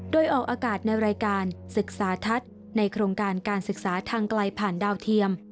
โดยออกอากาศในรายการศึกษาทัศน์ในโครงการการศึกษาทางไกลผ่านดาวเทียม